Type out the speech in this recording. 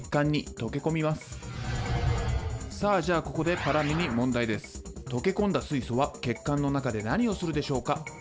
溶け込んだ水素は血管の中で何をするでしょうか？